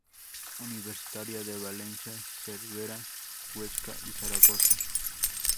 Universitario de Valencia, Cervera, Huesca y Zaragoza.